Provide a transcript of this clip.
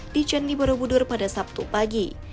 di candi borobudur pada sabtu pagi